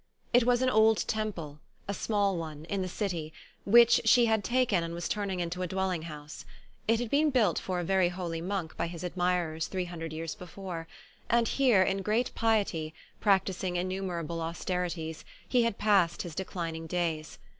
It was an old temple, a small one, in the city, which she had taken and was turning into a dwell ing house. It had been built for a very holy monk by his admirers three hundred years before, and here in great piety, practising innumerable austeri ties, he had passed his declining days.